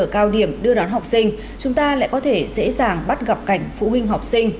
cao điểm đưa đón học sinh chúng ta lại có thể dễ dàng bắt gặp cảnh phụ huynh học sinh